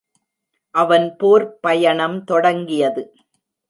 அவன் போர்ப் பயணம் தொடங்கியது.